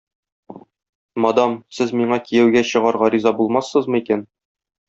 Мадам, сез миңа кияүгә чыгарга риза булмассызмы икән?